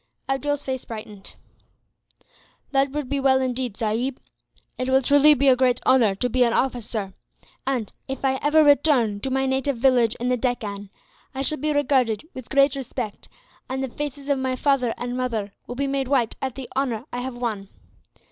Abdool's face brightened. "That would be well, indeed, sahib. It will truly be a great honour to be an officer and, if I ever return to my native village in the Deccan, I shall be regarded with great respect, and the faces of my father and mother will be made white at the honour I have won.